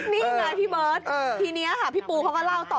นี่ไงพี่เบิร์ตทีนี้ค่ะพี่ปูเขาก็เล่าต่อ